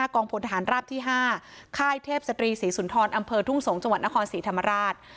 กองพลทหารราบที่๕ค่ายเทพศตรีศรีสุนทรอำเภอทุ่งสงศ์จังหวัดนครศรีธรรมราช